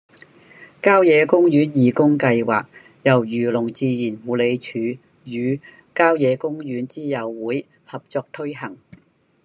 郊野公園義工計劃由漁農自然護理署與郊野公園之友會合作推行